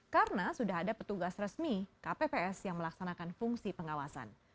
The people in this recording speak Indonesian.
karena sudah ada petugas resmi kpps yang melaksanakan fungsi pengawasan